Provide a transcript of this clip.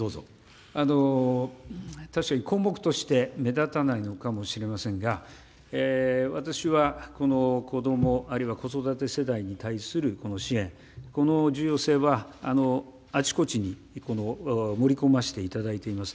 確かに項目として目立たないのかもしれませんが、私は、この子ども、あるいは子育て世代に対する支援、この重要性は、あちこちに盛り込ませていただいております。